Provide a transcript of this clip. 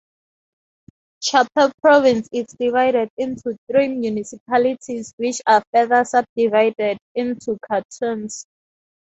Chapare Province is divided into three municipalities which are further subdivided into cantons.